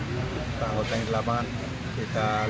kita lengkapi dengan kesiap sesiagaan